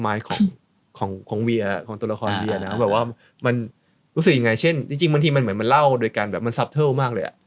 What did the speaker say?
มันก็เป็นของของตัวละครเออแบบว่ามันรู้สึกยังไงเช่นจริงจริงมันเหมือนมันเล่าโดยการแบบมันมากเลยอ่ะ